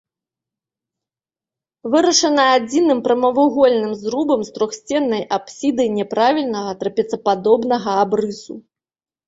Вырашана адзіным прамавугольным зрубам з трохсценнай апсідай няправільнага трапецападобнага абрысу.